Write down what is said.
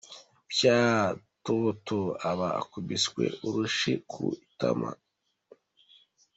Pyaaaaaaaaa! Toto aba akubiswe urushyi ku itama.